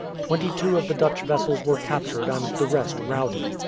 Twenty two of the Dutch vessels were captured and the rest routed.